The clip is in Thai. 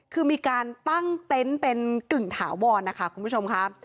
คือมีการตั้งเต็นต์เป็นกึ่งถาวรนะคะคุณผู้ชมครับ